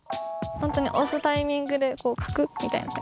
本当に押すタイミングでカクッみたいな。